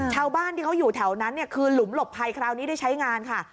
ชาวบ้านที่เขาอยู่แถวนั้นคือหลุมหลบภัยคราวนี้ได้ใช้งานค่ะ